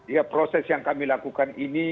ya proses yang kami lakukan ini